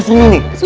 sini nih dikit